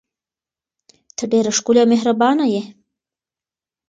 ته ډیره ښکلې او مهربانه یې.